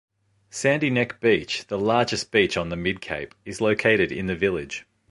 Sandy Neck Beach, the largest beach on the mid-cape, is located in the village.